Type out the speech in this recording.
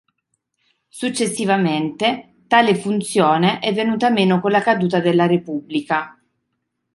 Successivamente tale funzione è venuta meno con la caduta della repubblica.